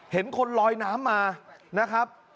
เห็นคนลอยน้ำมานะครับ